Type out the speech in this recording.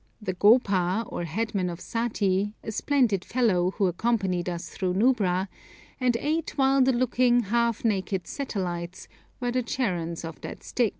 The gopa, or headman of Sati, a splendid fellow, who accompanied us through Nubra, and eight wild looking, half naked satellites, were the Charons of that Styx.